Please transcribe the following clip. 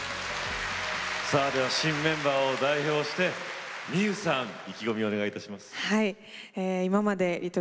新メンバーを代表してｍｉｙｏｕさん意気込みをお願いします。